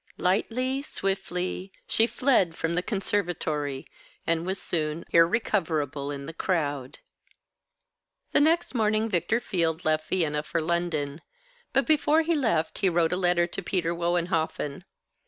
Lightly, swiftly, she fled from the conservatory, and was soon irrecoverable in the crowd. The next morning Victor Field left Vienna for London; but before he left he wrote a letter to Peter Wohenhoffen.